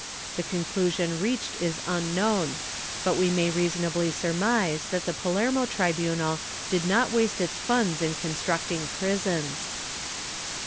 ^ The conclu sion reached is imknown, but we may reasonably surmise that the Palermo tribunal did not waste its funds in constructing prisons.